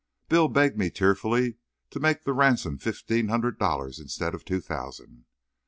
Bill begged me tearfully to make the ransom fifteen hundred dollars instead of two thousand.